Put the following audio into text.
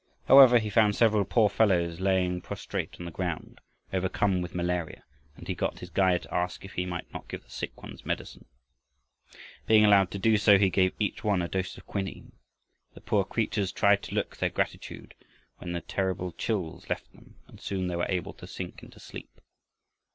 However, he found several poor fellows lying prostrate on the ground, overcome with malaria, and he got his guide to ask if he might not give the sick ones medicine. Being allowed to do so, he gave each one a dose of quinine. The poor creatures tried to look their gratitude when the terrible chills left them, and soon they were able to sink into sleep.